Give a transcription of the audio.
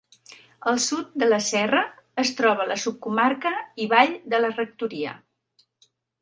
Al sud de la serra es troba la subcomarca i vall de la Rectoria.